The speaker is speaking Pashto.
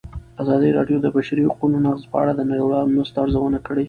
ازادي راډیو د د بشري حقونو نقض په اړه د نړیوالو مرستو ارزونه کړې.